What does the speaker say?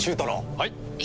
はい。